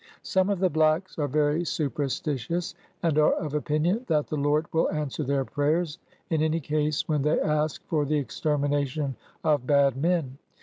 Some of the blacks are very superstitious, and are of opinion that the Lord will answer their prayers, in any case when they ask for the extermination of bad men.